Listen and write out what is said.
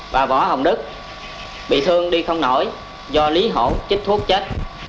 và võ hồng đức bị thương đi không nổi do lý hổ chích thuốc chết